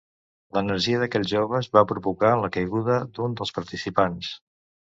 L'energia d'aquells joves va provocar la caiguda d'un dels participants.